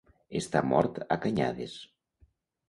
Estar mort a canyades.